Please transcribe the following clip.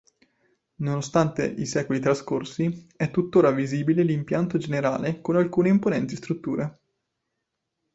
Nonostante i secoli trascorsi, è tutt’ora visibile l’impianto generale con alcune imponenti strutture.